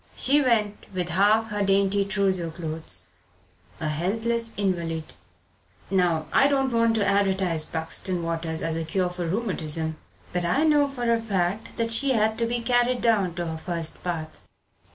She went, with half her dainty trousseau clothes a helpless invalid. Now I don't want to advertise Buxton waters as a cure for rheumatism, but I know for a fact that she had to be carried down to her first bath.